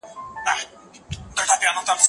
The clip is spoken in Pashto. په کورنۍ کي د ماشوم احساسات نه ځپل کېږي.